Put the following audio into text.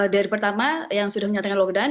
dari pertama yang sudah menyatakan lockdown